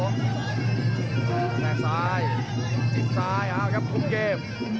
แสดงซ้ายจิ๊กซ้ายครับคุมเกม